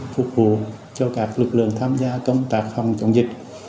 phục vụ cho các lực lượng tham gia công tác phòng chống dịch